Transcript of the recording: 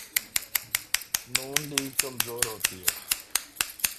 ن لیگ کمزور ہوتی ہے۔